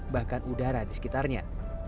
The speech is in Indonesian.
bahkan udara di sekitarnya